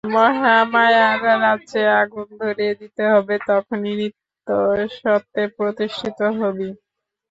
মহামায়ার রাজ্যে আগুন ধরিয়ে দিতে হবে! তখনই নিত্য-সত্যে প্রতিষ্ঠিত হবি।